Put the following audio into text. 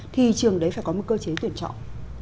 thì trường đấy phải có một cơ chế tuyển chọn